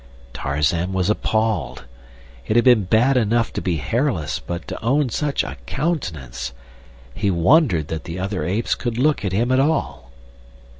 Tarzan was appalled. It had been bad enough to be hairless, but to own such a countenance! He wondered that the other apes could look at him at all.